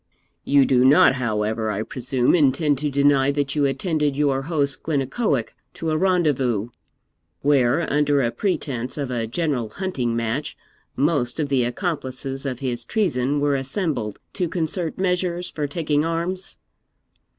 'You do not, however, I presume, intend to deny that you attended your host Glennaquoich to a rendezvous, where, under a pretence of a general hunting match, most of the accomplices of his treason were assembled to concert measures for taking arms?'